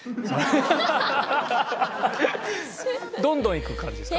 どんどんいく感じですか？